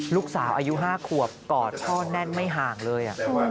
ลูกสาวอายุ๕ขวบกอดพ่อแน่นไม่ห่างเลย